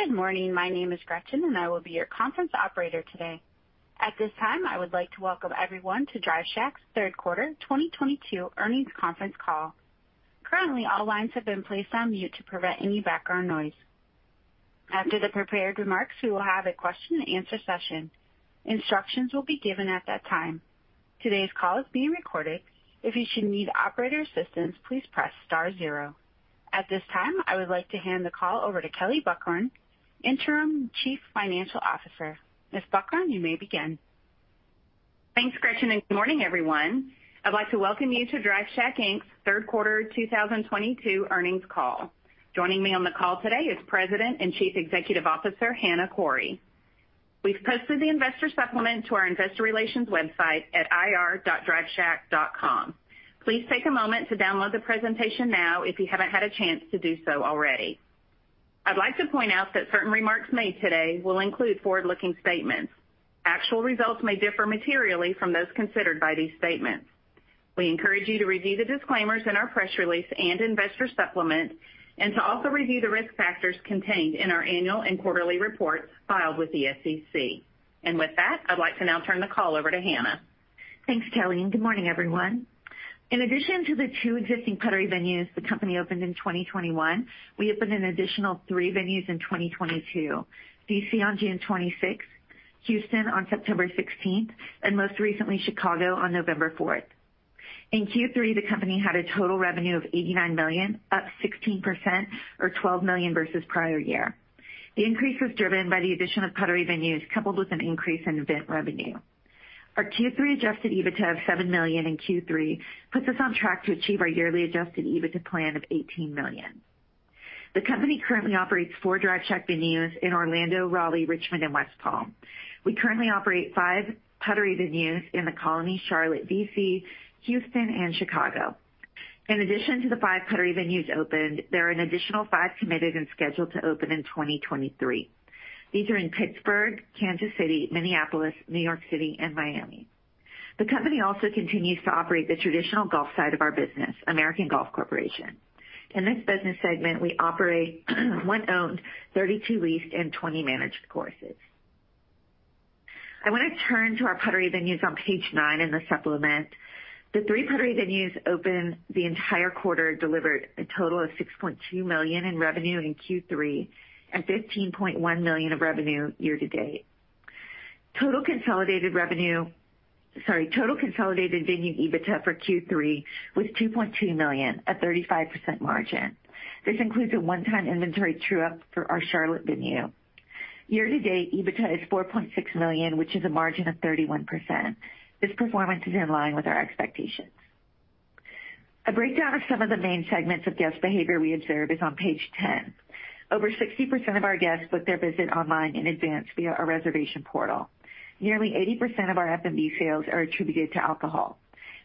Good morning. My name is Gretchen, and I will be your conference operator today. At this time, I would like to welcome everyone to Drive Shack's Q3 2022 earnings conference call. Currently, all lines have been placed on mute to prevent any background noise. After the prepared remarks, we will have a question and answer session. Instructions will be given at that time. Today's call is being recorded. If you should need operator assistance, please press star zero. At this time, I would like to hand the call over to Kelley Buchhorn, Interim Chief Financial Officer. Ms. Buchhorn, you may begin. Thanks, Gretchen, and good morning, everyone. I'd like to welcome you to Drive Shack Inc.'s Q3 2022 earnings call. Joining me on the call today is President and Chief Executive Officer, Hana Khouri. We've posted the investor supplement to our investor relations website at ir.driveshack.com. Please take a moment to download the presentation now if you haven't had a chance to do so already. I'd like to point out that certain remarks made today will include forward-looking statements. Actual results may differ materially from those considered by these statements. We encourage you to review the disclaimers in our press release and investor supplement and to also review the risk factors contained in our annual and quarterly reports filed with the SEC. With that, I'd like to now turn the call over to Hana. Thanks, Kelley, and good morning, everyone. In addition to the two existing Puttery venues the company opened in 2021, we opened an additional three venues in 2022, D.C. on June 26th, Houston on September 16th, and most recently, Chicago on November fourth. In Q3, the company had a total revenue of $89 million, up 16% or $12 million versus prior year. The increase was driven by the addition of Puttery venues, coupled with an increase in event revenue. Our Q3 adjusted EBITDA of $7 million in Q3 puts us on track to achieve our yearly adjusted EBITDA plan of $18 million. The company currently operates four Drive Shack venues in Orlando, Raleigh, Richmond, and West Palm. We currently operate five Puttery venues in The Colony, Charlotte, D.C., Houston, and Chicago. In addition to the five Puttery venues opened, there are an additional five committed and scheduled to open in 2023. These are in Pittsburgh, Kansas City, Minneapolis, New York City, and Miami. The company also continues to operate the traditional golf side of our business, American Golf Corporation. In this business segment, we operate one owned, 32 leased, and 20 managed courses. I want to turn to our Puttery venues on page nine in the supplement. The three Puttery venues opened the entire quarter delivered a total of $6.2 million in revenue in Q3 and $15.1 million of revenue year-to-date. Total consolidated venue EBITDA for Q3 was $2.2 million at 35% margin. This includes a one-time inventory true-up for our Charlotte venue. Year to date, EBITDA is $4.6 million, which is a margin of 31%. This performance is in line with our expectations. A breakdown of some of the main segments of guest behavior we observe is on page 10. Over 60% of our guests book their visit online in advance via our reservation portal. Nearly 80% of our F&B sales are attributed to alcohol.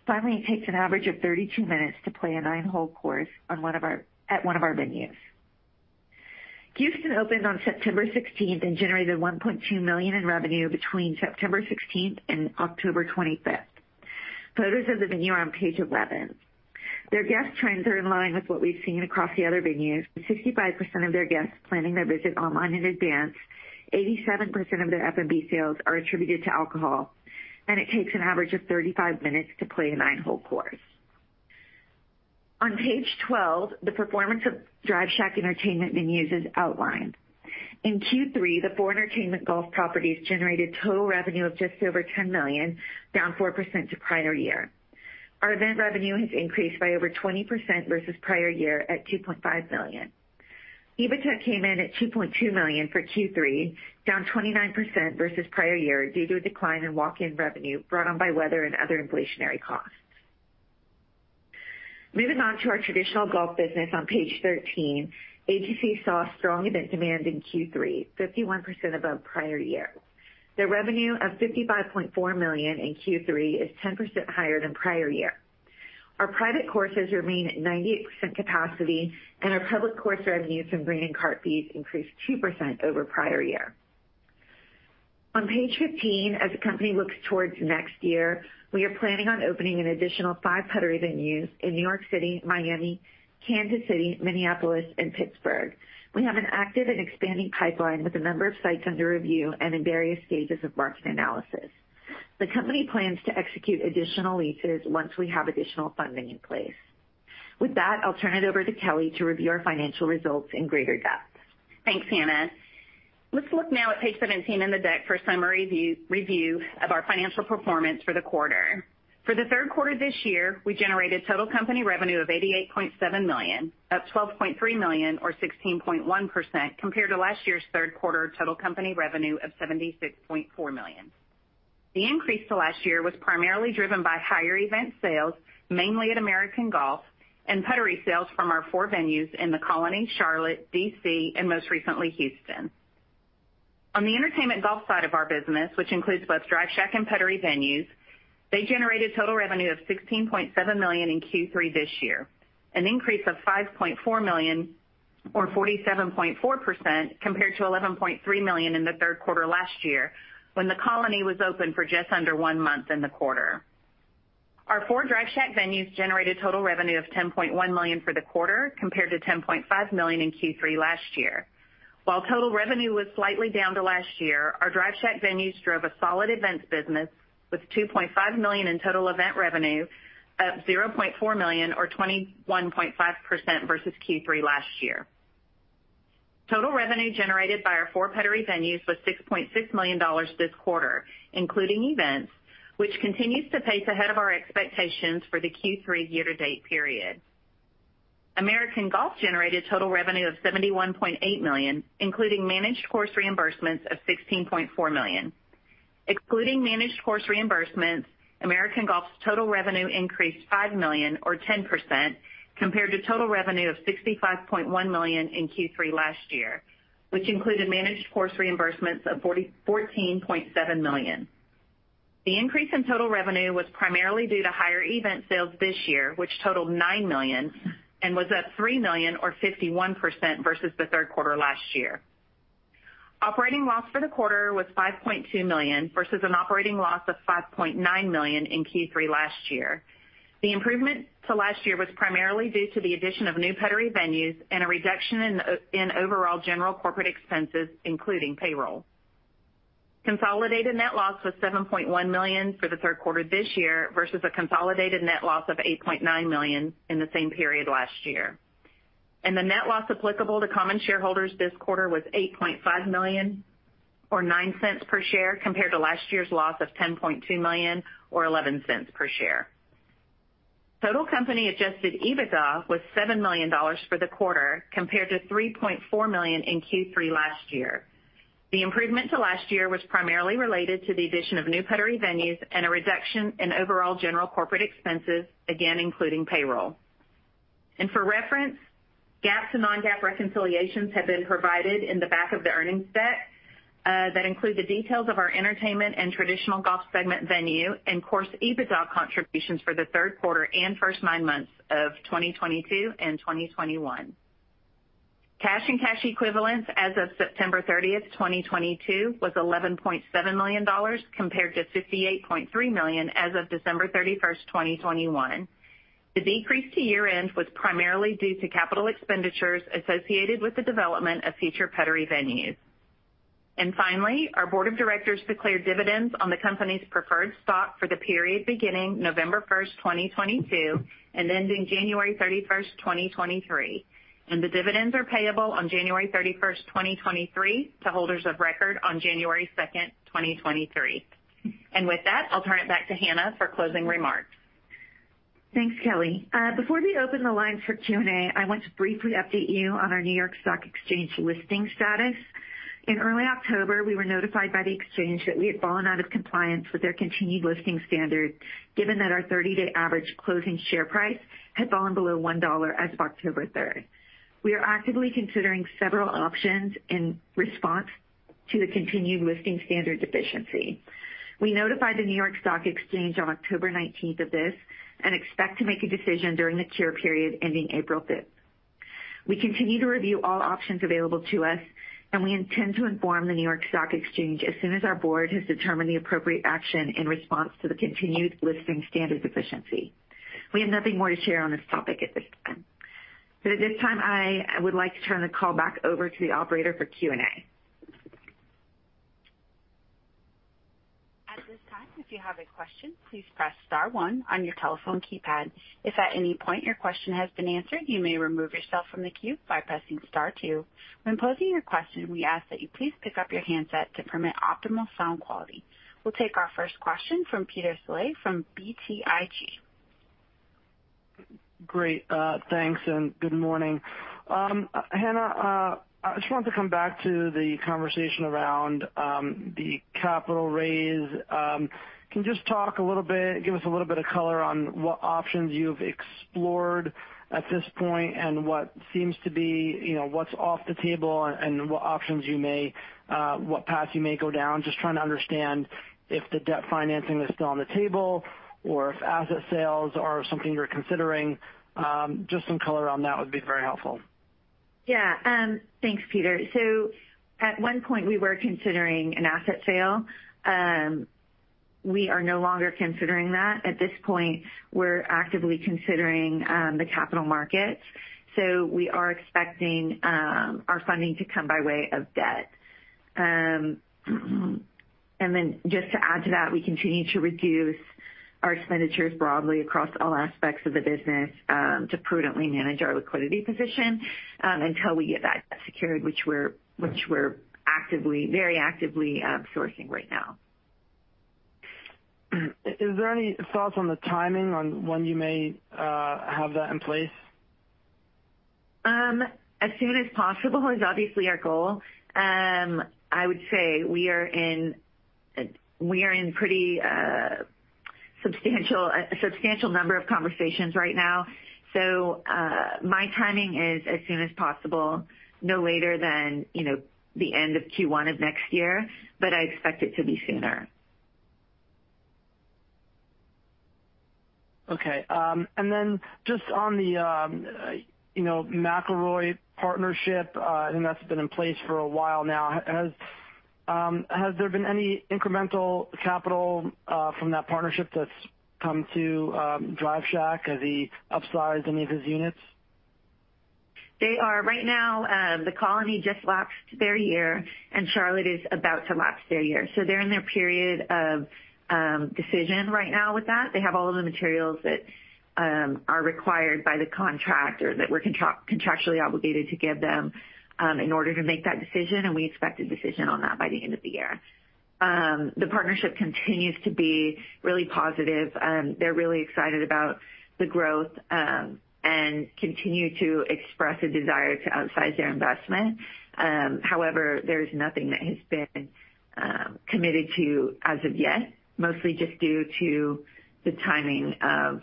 Finally, it takes an average of 32 minutes to play a nine-hole course at one of our venues. Houston opened on September 16th and generated $1.2 million in revenue between September 16th and October 25th. Photos of the venue are on page 11. Their guest trends are in line with what we've seen across the other venues, with 65% of their guests planning their visit online in advance, 87% of their F&B sales are attributed to alcohol, and it takes an average of 35 minutes to play a nine-hole course. On page 12, the performance of Drive Shack Entertainment Venues is outlined. In Q3, the four entertainment golf properties generated total revenue of just over $10 million, down 4% to prior year. Our event revenue has increased by over 20% versus prior year at $2.5 million. EBITDA came in at $2.2 million for Q3, down 29% versus prior year due to a decline in walk-in revenue brought on by weather and other inflationary costs. Moving on to our traditional golf business on page 13, AGC saw strong event demand in Q3, 51% above prior year. The revenue of $55.4 million in Q3 is 10% higher than prior year. Our private courses remain at 98% capacity, and our public course revenues from green and cart fees increased 2% over prior year. On page 15, as the company looks towards next year, we are planning on opening an additional five Puttery venues in New York City, Miami, Kansas City, Minneapolis, and Pittsburgh. We have an active and expanding pipeline with a number of sites under review and in various stages of market analysis. The company plans to execute additional leases once we have additional funding in place. With that, I'll turn it over to Kelley to review our financial results in greater depth. Thanks, Hana. Let's look now at page 17 in the deck for a summary review of our financial performance for the quarter. For the Q3 this year, we generated total company revenue of $88.7 million, up $12.3 million or 16.1% compared to last year's Q3 total company revenue of $76.4 million. The increase to last year was primarily driven by higher event sales, mainly at American Golf and Puttery sales from our four venues in The Colony, Charlotte, D.C., and most recently, Houston. On the entertainment golf side of our business, which includes both Drive Shack and Puttery venues, they generated total revenue of $16.7 million in Q3 this year, an increase of $5.4 million or 47.4% compared to $11.3 million in the Q3 last year when The Colony was open for just under one month in the quarter. Our four Drive Shack venues generated total revenue of $10.1 million for the quarter compared to $10.5 million in Q3 last year. While total revenue was slightly down to last year, our Drive Shack venues drove a solid events business with $2.5 million in total event revenue, up $0.4 million or 21.5% versus Q3 last year. Total revenue generated by our four Puttery venues was $6.6 million this quarter, including events, which continues to pace ahead of our expectations for the Q3 year-to-date period. American Golf generated total revenue of $71.8 million, including managed course reimbursements of $16.4 million. Excluding managed course reimbursements, American Golf's total revenue increased $5 million or 10% compared to total revenue of $65.1 million in Q3 last year, which included managed course reimbursements of $14.7 million. The increase in total revenue was primarily due to higher event sales this year, which totaled $9 million and was up $3 million or 51% versus the Q3 last year. Operating loss for the quarter was $5.2 million versus an operating loss of $5.9 million in Q3 last year. The improvement to last year was primarily due to the addition of new Puttery venues and a reduction in overall general corporate expenses, including payroll. Consolidated net loss was $7.1 million for the third quarter this year versus a consolidated net loss of $8.9 million in the same period last year. The net loss applicable to common shareholders this quarter was $8.5 million or $0.09 per share compared to last year's loss of $10.2 million or $0.11 per share. Total company adjusted EBITDA was $7 million for the quarter compared to $3.4 million in Q3 last year. The improvement to last year was primarily related to the addition of new Puttery venues and a reduction in overall general corporate expenses, again, including payroll. For reference, GAAP to non-GAAP reconciliations have been provided in the back of the earnings deck that include the details of our entertainment and traditional golf segment venue and course EBITDA contributions for the Q3 and first nine months of 2022 and 2021. Cash and cash equivalents as of September 30th, 2022 was $11.7 million compared to $58.3 million as of December 31st, 2021. The decrease to year-end was primarily due to capital expenditures associated with the development of future Puttery venues. Finally, our board of directors declared dividends on the company's preferred stock for the period beginning November first, 2022 and ending January 31st, 2023. The dividends are payable on January 31st, 2023 to holders of record on January second, 2023. With that, I'll turn it back to Hana for closing remarks. Thanks, Kelley. Before we open the line for Q&A, I want to briefly update you on our New York Stock Exchange listing status. In early October, we were notified by the exchange that we had fallen out of compliance with their continued listing standard, given that our 30-day average closing share price had fallen below $1 as of October third. We are actively considering several options in response to the continued listing standard deficiency. We notified the New York Stock Exchange on October 19th of this and expect to make a decision during the cure period ending April fifth. We continue to review all options available to us, and we intend to inform the New York Stock Exchange as soon as our board has determined the appropriate action in response to the continued listing standard deficiency. We have nothing more to share on this topic at this time. At this time, I would like to turn the call back over to the operator for Q&A. At this time, if you have a question, please press star one on your telephone keypad. If at any point your question has been answered, you may remove yourself from the queue by pressing star two. When posing your question, we ask that you please pick up your handset to permit optimal sound quality. We'll take our first question from Peter Saleh from BTIG. Great. Thanks and good morning. Hana, I just wanted to come back to the conversation around the capital raise. Can you just talk a little bit, give us a little bit of color on what options you've explored at this point and, you know, what's off the table and what path you may go down? Just trying to understand if the debt financing is still on the table or if asset sales are something you're considering. Just some color on that would be very helpful. Yeah, thanks, Peter. At one point, we were considering an asset sale. We are no longer considering that. At this point, we're actively considering the capital markets. We are expecting our funding to come by way of debt. Just to add to that, we continue to reduce our expenditures broadly across all aspects of the business to prudently manage our liquidity position until we get that secured, which we're actively, very actively sourcing right now. Is there any thoughts on the timing on when you may have that in place? Um, as soon as possible is obviously our goal. Um, I would say we are in, we are in pretty, uh, substantial, a substantial number of conversations right now. So, uh, my timing is as soon as possible, no later than, you know, the end of Q1 of next year, but I expect it to be sooner. Okay, just on the, you know, McIlroy partnership, I think that's been in place for a while now. Has there been any incremental capital from that partnership that's come to Drive Shack? Has he upsized any of his units? They are. Right now, The Colony just lapsed their year, and Charlotte is about to lapse their year. They're in their period of decision right now with that. They have all of the materials that are required by the contract or that we're contractually obligated to give them in order to make that decision, and we expect a decision on that by the end of the year. The partnership continues to be really positive. They're really excited about the growth and continue to express a desire to outsize their investment. However, there's nothing that has been committed to as of yet, mostly just due to the timing of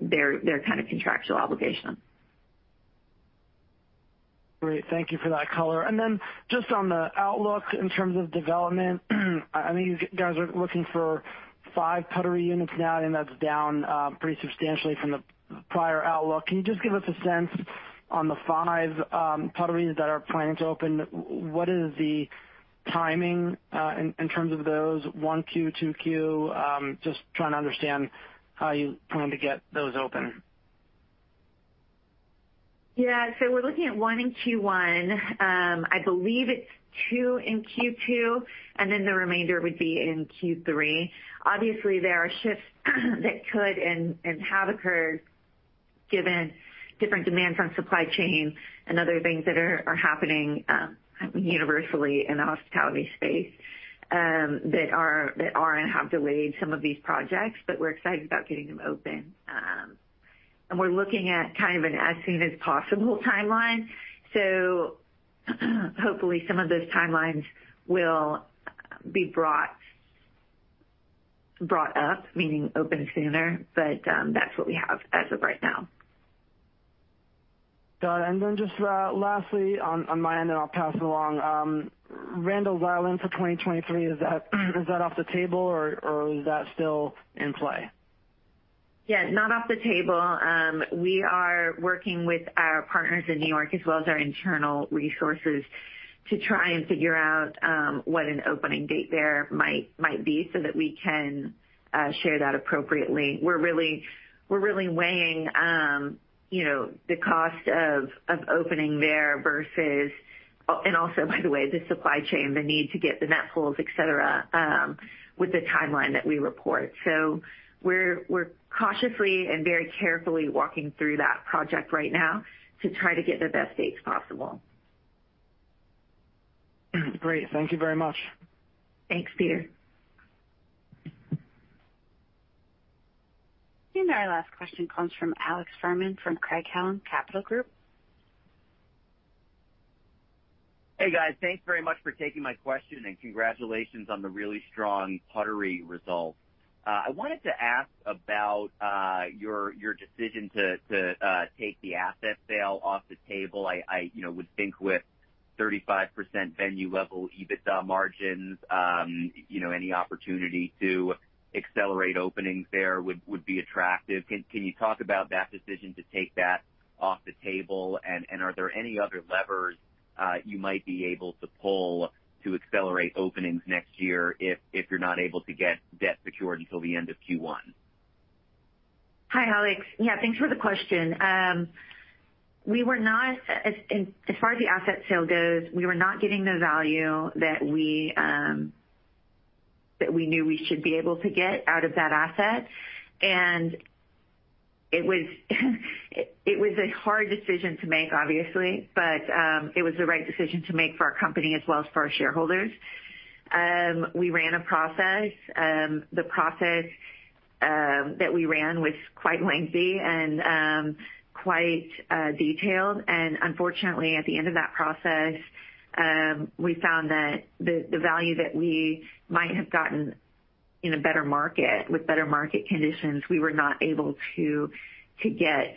their kind of contractual obligation. Great. Thank you for that color. Just on the outlook in terms of development, I know you guys are looking for 5 Puttery units now, and that's down pretty substantially from the prior outlook. Can you just give us a sense on the 5 Putteries that are planning to open? What is the timing in terms of those, 1Q, 2Q? Just trying to understand how you plan to get those open. Yeah. We're looking at one in Q1. I believe it's two in Q2, and then the remainder would be in Q3. Obviously, there are shifts that could and have occurred given different demands on supply chain and other things that are happening universally in the hospitality space that are and have delayed some of these projects, but we're excited about getting them open. We're looking at kind of an as soon as possible timeline. Hopefully, some of those timelines will be brought up, meaning open sooner, but that's what we have as of right now. Got it. Just lastly on my end, and I'll pass it along. Randall's Island for 2023, is that off the table or is that still in play? Yeah, not off the table. We are working with our partners in New York as well as our internal resources to try and figure out what an opening date there might be so that we can share that appropriately. We're really weighing, you know, the cost of opening there and also, by the way, the supply chain, the need to get the net proceeds, et cetera, with the timeline that we report. We're cautiously and very carefully walking through that project right now to try to get the best dates possible. Great. Thank you very much. Thanks, Peter. Our last question comes from Alex Fuhrman from Craig-Hallum Capital Group. Hey, guys. Thanks very much for taking my question, and congratulations on the really strong Puttery results. I wanted to ask about your decision to take the asset sale off the table. I, you know, would think with 35% venue-level EBITDA margins, you know, any opportunity to accelerate openings there would be attractive. Can you talk about that decision to take that off the table? Are there any other levers you might be able to pull to accelerate openings next year if you're not able to get debt secured until the end of Q1? Hi, Alex. Yeah, thanks for the question. As far as the asset sale goes, we were not getting the value that we knew we should be able to get out of that asset. It was a hard decision to make, obviously, but it was the right decision to make for our company as well as for our shareholders. We ran a process. The process that we ran was quite lengthy and quite detailed. Unfortunately, at the end of that process, we found that the value that we might have gotten in a better market with better market conditions, we were not able to get.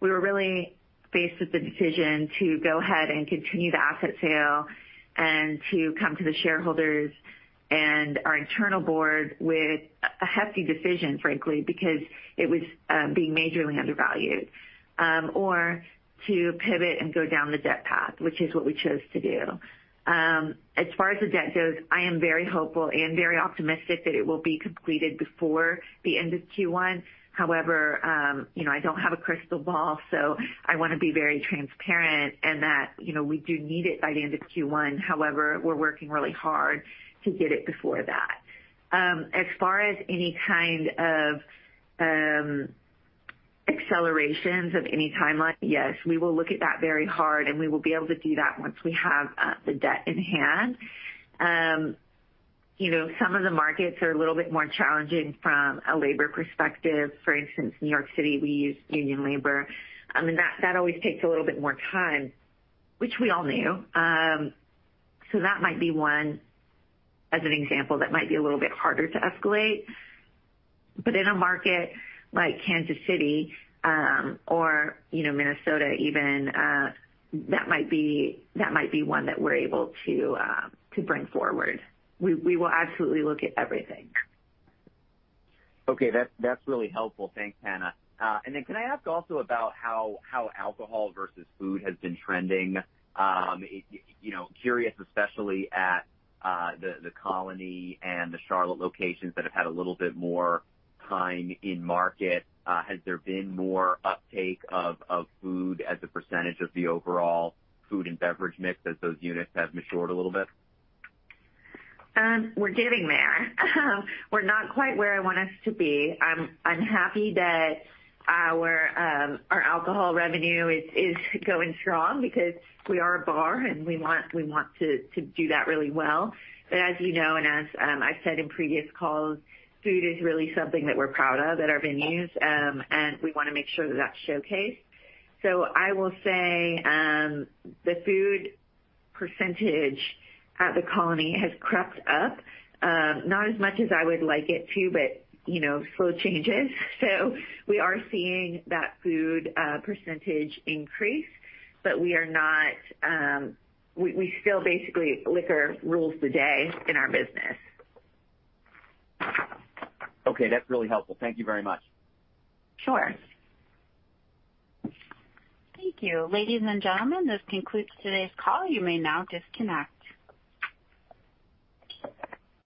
We were really faced with the decision to go ahead and continue the asset sale and to come to the shareholders and our internal board with a hefty decision, frankly, because it was being majorly undervalued or to pivot and go down the debt path, which is what we chose to do. As far as the debt goes, I am very hopeful and very optimistic that it will be completed before the end of Q1. However, you know, I don't have a crystal ball, so I wanna be very transparent in that, you know, we do need it by the end of Q1. However, we're working really hard to get it before that. As far as any kind of accelerations of any timeline, yes, we will look at that very hard, and we will be able to do that once we have the debt in hand. You know, some of the markets are a little bit more challenging from a labor perspective. For instance, New York City, we use union labor. I mean, that always takes a little bit more time, which we all knew. That might be one, as an example, that might be a little bit harder to escalate. In a market like Kansas City or, you know, Minnesota even, that might be one that we're able to bring forward. We will absolutely look at everything. Okay. That's really helpful. Thanks, Hana. Can I ask also about how alcohol versus food has been trending? You know, curious, especially at The Colony and the Charlotte locations that have had a little bit more time in market, has there been more uptake of food as a % of the overall food and beverage mix as those units have matured a little bit? We're getting there. We're not quite where I want us to be. I'm happy that our alcohol revenue is going strong because we are a bar, and we want to do that really well. As you know, and as I've said in previous calls, food is really something that we're proud of at our venues, and we wanna make sure that that's showcased. I will say the food % at The Colony has crept up, not as much as I would like it to, but, you know, slow changes. We are seeing that food % increase. We still basically liquor rules the day in our business. Okay, that's really helpful. Thank you very much. Sure. Thank you. Ladies and gentlemen, this concludes today's call. You may now disconnect.